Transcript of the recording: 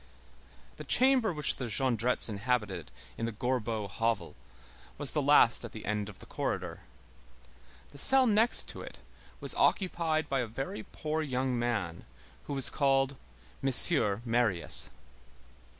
The chamber which the Jondrettes inhabited in the Gorbeau hovel was the last at the end of the corridor. The cell next to it was occupied by a very poor young man who was called M. Marius.